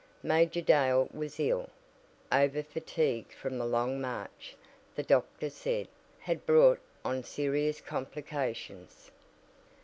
Major Dale was ill. Overfatigue from the long march, the doctor said, had brought on serious complications.